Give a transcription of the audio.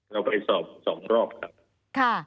เราไปสอบ๒รอบครับ